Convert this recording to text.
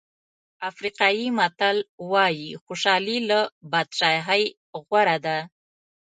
افریقایي متل وایي خوشالي له بادشاهۍ غوره ده.